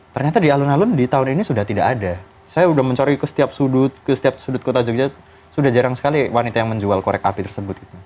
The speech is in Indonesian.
ternyata di alun alun di tahun ini sudah tidak ada saya sudah mencori ke setiap sudut ke setiap sudut kota jogja sudah jarang sekali wanita yang menjual korek api tersebut